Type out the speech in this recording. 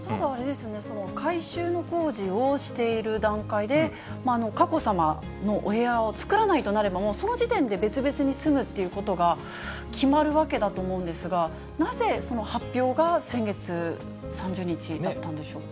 改修の工事をしている段階で、佳子さまのお部屋を作らないとなれば、その時点で別々に住むっていうことが決まるわけだと思うんですが、なぜ、発表が先月３０日だったんでしょうか。